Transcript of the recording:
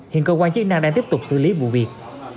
hiện cơ quan chức năng đang tiếp tục xử lý vụ việc